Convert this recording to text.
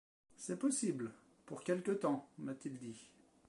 C'est possible, pour quelque temps, m'a-t-il dit.